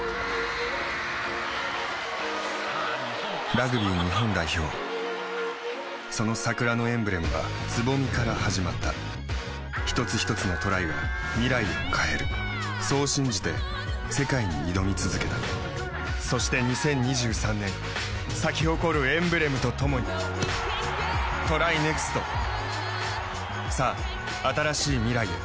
・ラグビー日本代表その桜のエンブレムは蕾から始まった一つひとつのトライが未来を変えるそう信じて世界に挑み続けたそして２０２３年咲き誇るエンブレムとともにＴＲＹＮＥＸＴさあ、新しい未来へ。